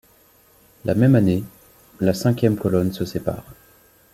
La même année, La Cinquième Kolonne se sépare.